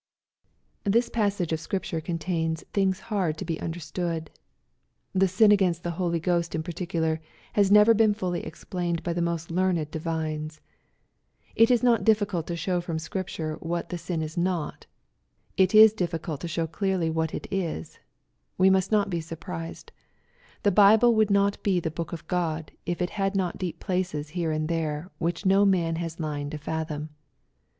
This passage of Scripture contains " things hard to be understood." The sin against the Holy Ghost in particu lar has never been fully explained by the most learned divines. It is not difficult to show from Scripture what MATTHEW, CHAP. XXL 129 the sin is not. It is difficult to show clearly what it is. We must not be surprised. The Bible would not be the book of God, if it had not deep places here and there, which man has no line to fathom.